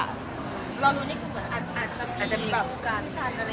รอรุนนี่คือเหมือนอัสแทนอันนี้